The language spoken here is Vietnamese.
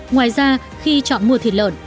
ngoài ra khi chọn mua thịt lợn